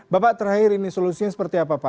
bapak terakhir ini solusinya seperti apa pak